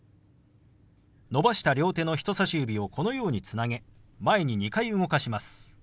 伸ばした両手の人さし指をこのようにつなげ前に２回動かします。